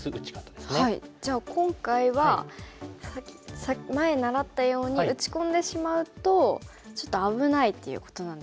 じゃあ今回は前習ったように打ち込んでしまうとちょっと危ないっていうことなんでしょうか。